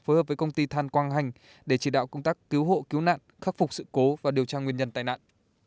phối hợp với công ty than quang hành để chỉ đạo công tác cứu hộ cứu nạn khắc phục sự cố và điều tra nguyên nhân tai nạn